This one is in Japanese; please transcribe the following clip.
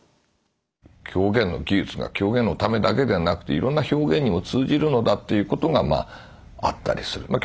狂言の技術が狂言のためではなくていろんな表現にも通じるのだということがあったりする。